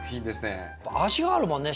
味があるもんね